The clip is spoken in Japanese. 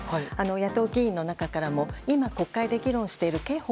野党議員の中からも今、国会で議論している刑法